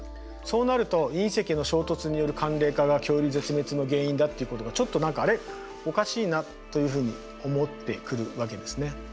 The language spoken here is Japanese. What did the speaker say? そうなると隕石の衝突による寒冷化が恐竜絶滅の原因だっていうことがちょっと何かあれおかしいなというふうに思ってくるわけですね。